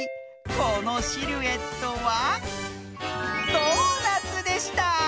このシルエットはドーナツでした。